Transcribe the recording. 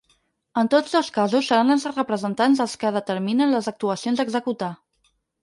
En tots dos casos seran els representants els que determinen les actuacions a executar.